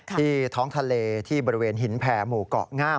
ที่ท้องทะเลที่บริเวณหินแผ่หมู่เกาะงาม